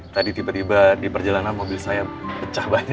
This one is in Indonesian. tadi tiba tiba di perjalanan mobil saya pecah banyak